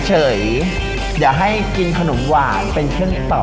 เดี๋ยวให้กินขนมหวานเป็นเครื่องตอบ